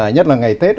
nhất là ngày tết